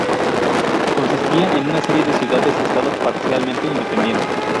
Consistía en una serie de ciudades-estado parcialmente independientes.